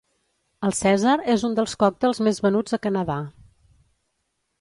El Cèsar és un dels còctels més venuts a Canadà.